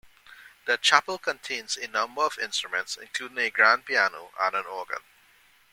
The Chapel contains a number of instruments including a grand piano and an organ.